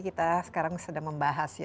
kita sekarang sedang membahas